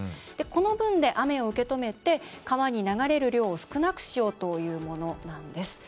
この分で、雨を受け止めて川に流れる量を少なくしようというものなんです。